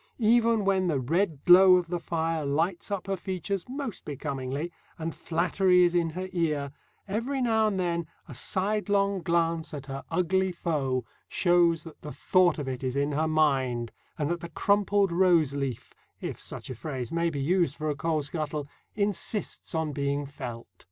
Even when the red glow of the fire lights up her features most becomingly, and flattery is in her ear, every now and then a sidelong glance at her ugly foe shows that the thought of it is in her mind, and that the crumpled roseleaf, if such a phrase may be used for a coal scuttle, insists on being felt.